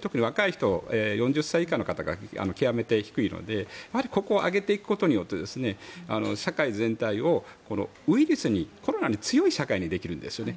特に若い人４０歳以下の方が極めて低いのでここを上げていくことによって社会全体をウイルス、コロナに強い社会にできるんですよね。